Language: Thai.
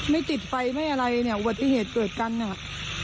ไม่ติดไฟไม่อะไรเนี่ยอุบัติเหตุเกิดกันเนี่ย